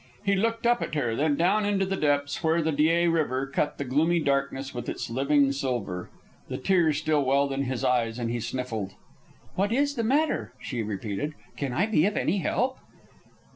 He looked up at her, then down into the depths where the Dyea River cut the gloomy darkness with its living silver. The tears still welled in his eyes, and he sniffled. "What is the matter?" she repeated. "Can I be of any help?"